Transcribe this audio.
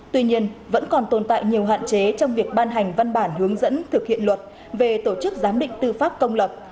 tuy nhiên vẫn còn tồn tại nhiều hạn chế trong việc ban hành văn bản hướng dẫn thực hiện luật về tổ chức giám định tư pháp công lập